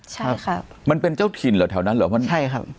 ใช่ครับมันเป็นเจ้าถิ่นเหรอแถวนั้นเหรอมันใช่ครับ